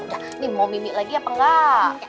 hahaha udah ini mau mimik lagi apa enggak